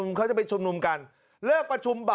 ก็คือสวกิจิศักดิ์นัตตนวราหะ